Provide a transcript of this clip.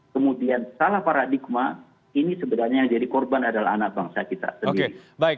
kemudian salah paradigma ini sebenarnya yang jadi korban adalah anak bangsa kita sendiri